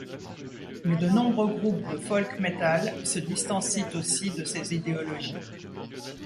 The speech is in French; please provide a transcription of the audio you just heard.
Mais de nombreux groupes de folk metal se distancient aussi de ces idéologies.